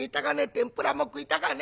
天ぷらも食いたかねえ。